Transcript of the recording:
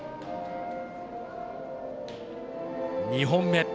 ２本目。